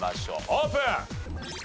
オープン！